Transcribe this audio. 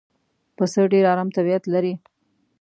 پسه ډېر آرام طبیعت لري.